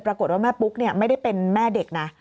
ปรากฏว่าแม่ปุ๊กไม่ได้เป็นแม่เด็กนะ